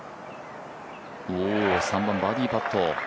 ３番バーディーパット。